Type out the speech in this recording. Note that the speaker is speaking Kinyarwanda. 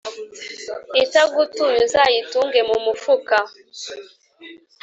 Itagutuye uzayitunge mu mufuka.